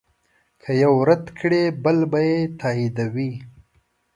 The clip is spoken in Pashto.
که یو رد کړې بل به یې تاییدوي.